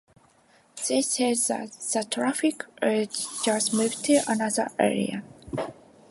They said that the traffic would just move to another area.